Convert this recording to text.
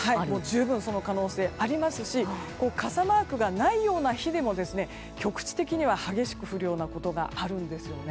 十分その可能性ありますし傘マークがないような日でも局地的には激しく降るようなことがあるんです。